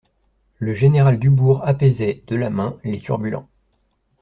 Le général Dubourg apaisait, de la main, les turbulents.